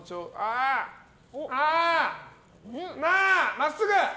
真っすぐ！